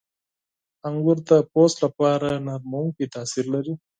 • انګور د پوستکي لپاره نرمونکی تاثیر لري.